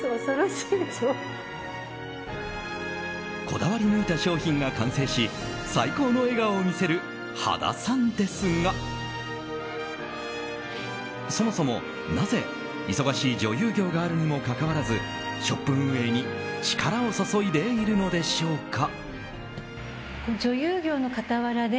こだわり抜いた商品が完成し最高の笑顔を見せる羽田さんですがそもそも、なぜ忙しい女優業があるにもかかわらずショップ運営に力を注いでいるのでしょうか。